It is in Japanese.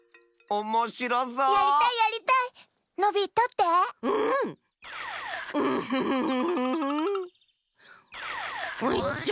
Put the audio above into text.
おいしょ。